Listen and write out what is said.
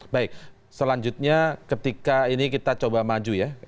baik selanjutnya ketika ini kita coba maju ya